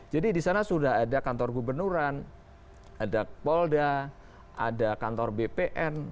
jadi disana sudah ada kantor gubernuran ada polda ada kantor bpn